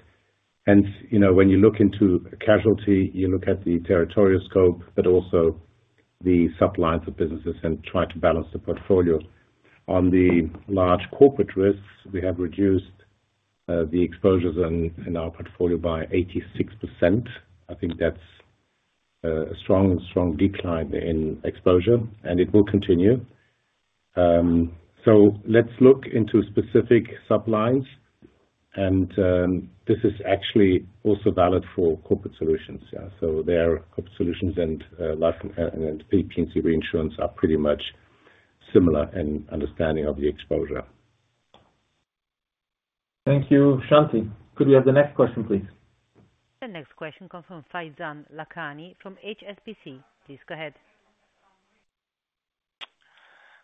hence, when you look into casualty, you look at the territorial scope, but also the sub-lines of businesses and try to balance the portfolio. On the large corporate risks, we have reduced the exposures in our portfolio by 86%. I think that's a strong decline in exposure, and it will continue. So let's look into specific sub-lines. And this is actually also valid for Corporate Solutions. So their Corporate Solutions and P&C reinsurance are pretty much similar in understanding of the exposure. Thank you, Shuqi. Could we have the next question, please? The next question comes from Faizan Lakhani from HSBC. Please go ahead.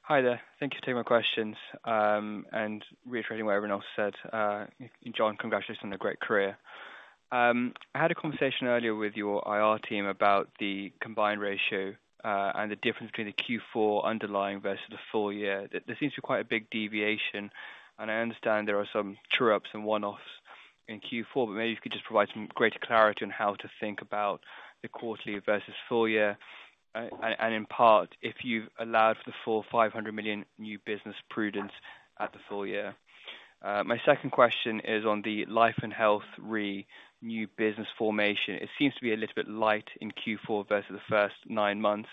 Hi there. Thank you for taking my questions, and reiterating what everyone else said, John, congratulations on a great career. I had a conversation earlier with your IR team about the combined ratio and the difference between the Q4 underlying versus the full year. There seems to be quite a big deviation, and I understand there are some true-ups and one-offs in Q4, but maybe you could just provide some greater clarity on how to think about the quarterly versus full year, and in part, if you've allowed for the full $500 million new business prudence at the full year. My second question is on the Life & Health Re new business formation. It seems to be a little bit light in Q4 versus the first nine months.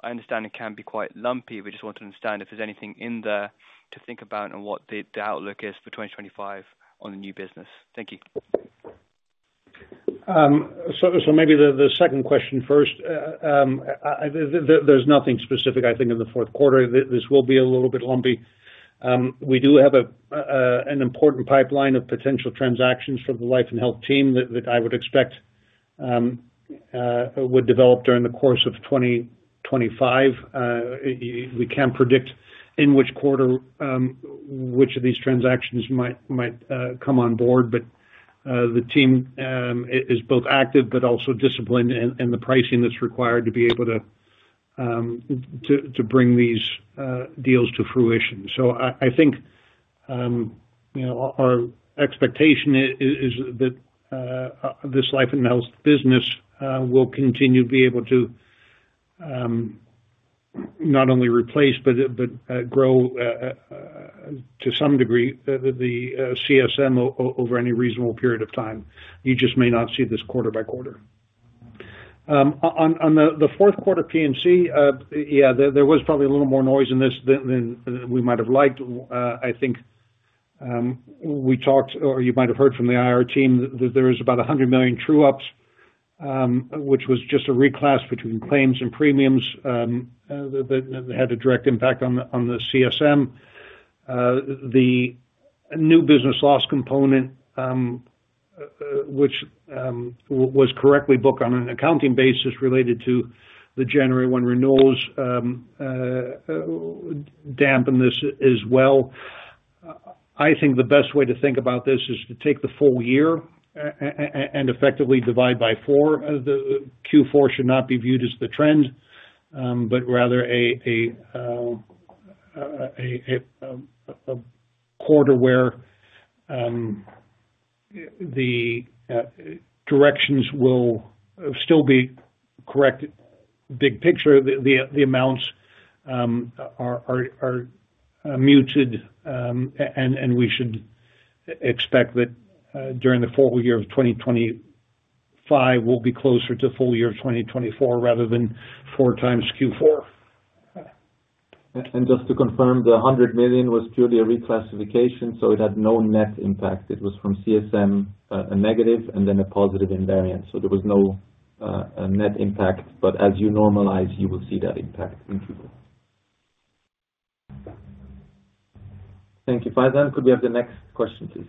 I understand it can be quite lumpy. We just want to understand if there's anything in there to think about and what the outlook is for 2025 on the new business? Thank you. So maybe the second question first. There's nothing specific, I think, in the fourth quarter. This will be a little bit lumpy. We do have an important pipeline of potential transactions for the Life & Health team that I would expect would develop during the course of 2025. We can't predict in which quarter which of these transactions might come on board, but the team is both active but also disciplined in the pricing that's required to be able to bring these deals to fruition. So I think our expectation is that this Life & Health business will continue to be able to not only replace but grow to some degree the CSM over any reasonable period of time. You just may not see this quarter by quarter. On the fourth quarter P&C, yeah, there was probably a little more noise in this than we might have liked. I think we talked, or you might have heard from the IR team, that there was about $100 million true-ups, which was just a reclass between claims and premiums that had a direct impact on the CSM. The new business loss component, which was correctly booked on an accounting basis related to the January 1 renewals dampened this as well. I think the best way to think about this is to take the full year and effectively divide by four. Q4 should not be viewed as the trend, but rather a quarter where the directions will still be correct. Big picture, the amounts are muted, and we should expect that during the full year of 2025, we'll be closer to full year of 2024 rather than 4x Q4. And just to confirm, the $100 million was purely a reclassification, so it had no net impact. It was from CSM a negative and then a positive in variance. So there was no net impact. But as you normalize, you will see that impact in Q4. Thank you. Faizan, could we have the next question, please?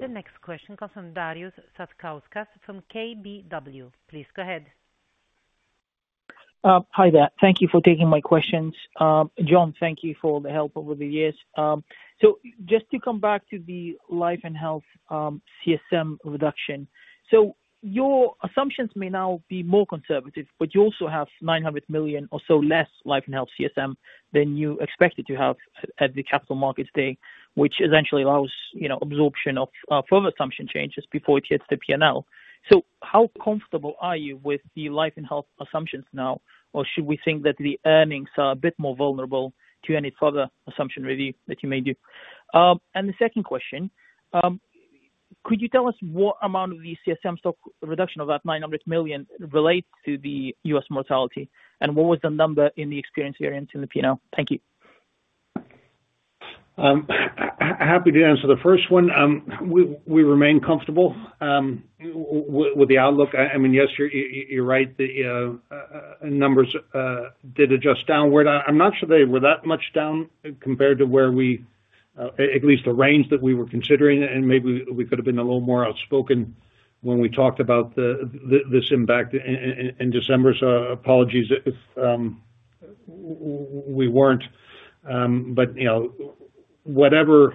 The next question comes from Darius Satkauskas from KBW. Please go ahead. Hi there. Thank you for taking my questions. John, thank you for the help over the years. So just to come back to the Life & Health CSM reduction. So your assumptions may now be more conservative, but you also have $900 million or so less Life & Health CSM than you expected to have at the Capital Markets Day, which essentially allows absorption of further assumption changes before it hits the P&L. So how comfortable are you with the Life & Health assumptions now, or should we think that the earnings are a bit more vulnerable to any further assumption review that you may do? And the second question, could you tell us what amount of the CSM stock reduction of that $900 million relates to the US mortality? And what was the number in the experience variance in the P&L? Thank you. Happy to answer the first one. We remain comfortable with the outlook. I mean, yes, you're right. The numbers did adjust downward. I'm not sure they were that much down compared to where we, at least the range that we were considering, and maybe we could have been a little more outspoken when we talked about this impact in December, so apologies if we weren't, but whatever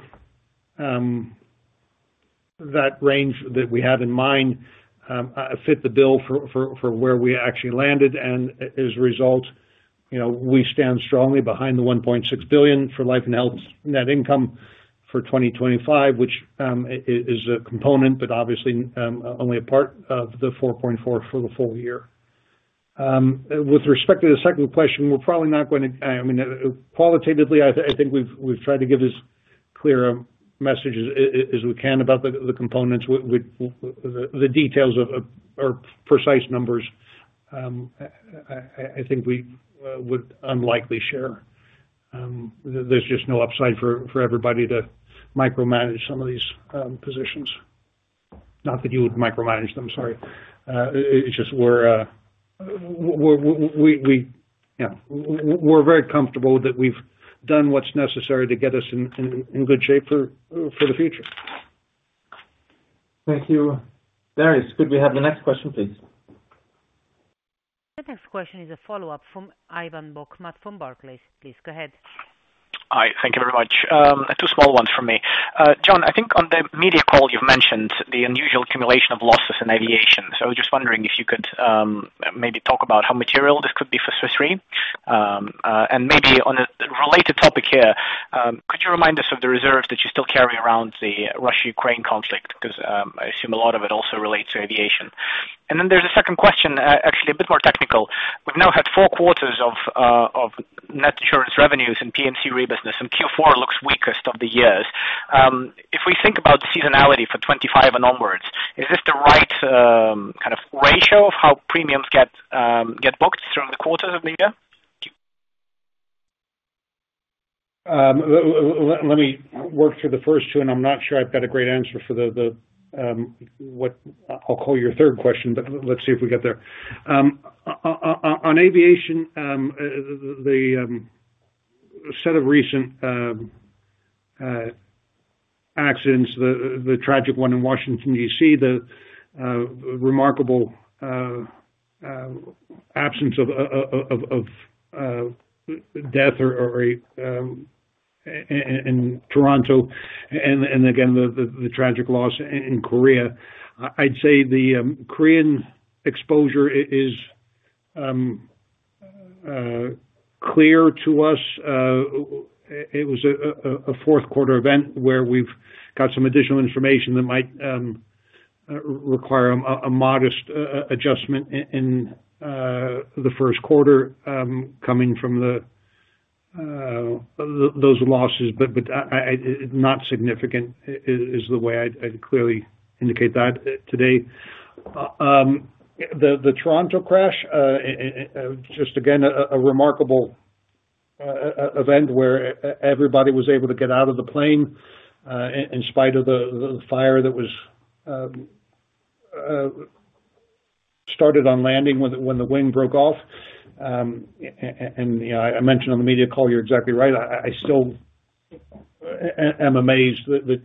that range that we have in mind fit the bill for where we actually landed, and as a result, we stand strongly behind the $1.6 billion for Life & Health net income for 2025, which is a component, but obviously only a part of the $4.4 billion for the full year. With respect to the second question, we're probably not going to, I mean, qualitatively, I think we've tried to give as clear a message as we can about the components. The details are precise numbers. I think we would unlikely share. There's just no upside for everybody to micromanage some of these positions. Not that you would micromanage them, sorry. It's just we're very comfortable that we've done what's necessary to get us in good shape for the future. Thank you. Darius, could we have the next question, please? The next question is a follow-up from Ivan Bokhmat from Barclays. Please go ahead. Hi. Thank you very much. Two small ones from me. John, I think on the media call, you've mentioned the unusual accumulation of losses in aviation. So I was just wondering if you could maybe talk about how material this could be for Swiss Re? And maybe on a related topic here, could you remind us of the reserves that you still carry around the Russia-Ukraine conflict? Because I assume a lot of it also relates to aviation. And then there's a second question, actually a bit more technical. We've now had four quarters of net insurance revenues in P&C Re business, and Q4 looks weakest of the years. If we think about seasonality for 2025 and onwards, is this the right kind of ratio of how premiums get booked through the quarters of the year? Let me work for the first two, and I'm not sure I've got a great answer for what I'll call your third question, but let's see if we get there. On aviation, the set of recent accidents, the tragic one in Washington, D.C., the remarkable absence of death in Toronto, and again, the tragic loss in Korea. I'd say the Korean exposure is clear to us. It was a fourth quarter event where we've got some additional information that might require a modest adjustment in the first quarter coming from those losses, but not significant is the way I'd clearly indicate that today. The Toronto crash, just again, a remarkable event where everybody was able to get out of the plane in spite of the fire that started on landing when the wing broke off, and I mentioned on the media call, you're exactly right. I still am amazed that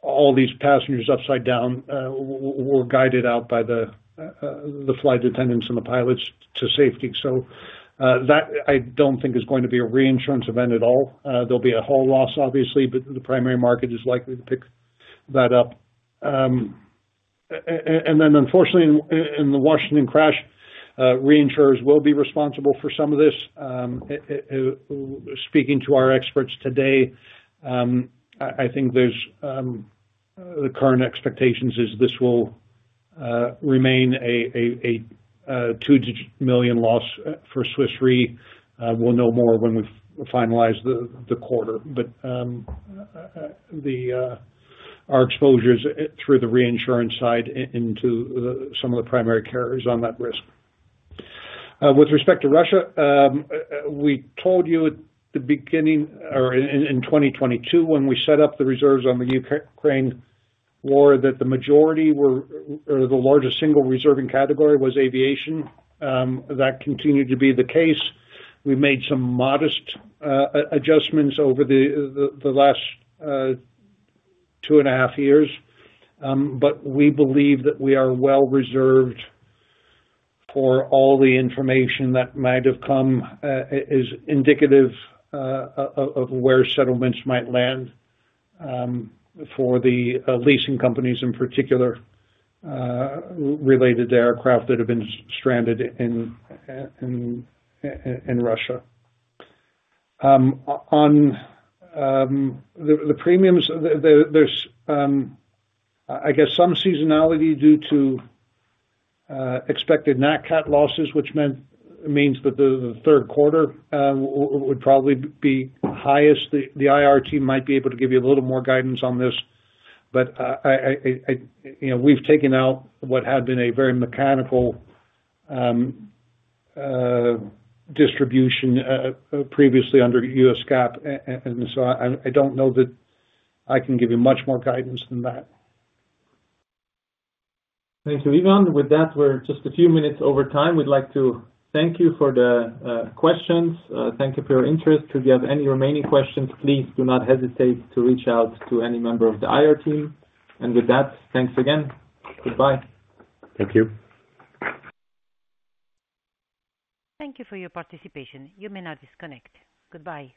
all these passengers upside down were guided out by the flight attendants and the pilots to safety, so that I don't think is going to be a reinsurance event at all. There'll be a whole loss, obviously, but the primary market is likely to pick that up, and then, unfortunately, in the Washington crash, reinsurers will be responsible for some of this. Speaking to our experts today, I think the current expectation is this will remain a $2 million loss for Swiss Re. We'll know more when we finalize the quarter, but our exposure is through the reinsurance side into some of the primary carriers on that risk. With respect to Russia, we told you at the beginning or in 2022 when we set up the reserves on the Ukraine war that the majority or the largest single reserving category was aviation. That continued to be the case. We made some modest adjustments over the last two and a half years, but we believe that we are well reserved for all the information that might have come as indicative of where settlements might land for the leasing companies in particular related to aircraft that have been stranded in Russia. On the premiums, there's, I guess, some seasonality due to expected nat-cat losses, which means that the third quarter would probably be highest. The IR team might be able to give you a little more guidance on this, but we've taken out what had been a very mechanical distribution previously under US GAAP, and so I don't know that I can give you much more guidance than that. Thank you, Ivan. With that, we're just a few minutes over time. We'd like to thank you for the questions. Thank you for your interest. If you have any remaining questions, please do not hesitate to reach out to any member of the IR team. And with that, thanks again. Goodbye. Thank you. Thank you for your participation. You may now disconnect. Goodbye.